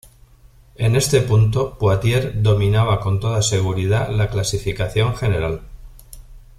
En este punto Pottier dominaba con toda seguridad la clasificación general.